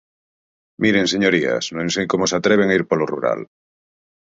Miren, señorías, non sei como se atreven a ir polo rural.